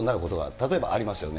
例えばありますよね。